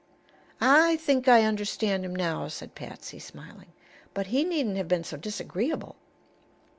"I think I understand him now," said Patsy, smiling. "But he needn't have been so disagreeable."